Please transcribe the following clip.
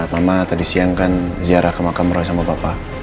mama tadi siang kan ziarah ke makam roh sama bapak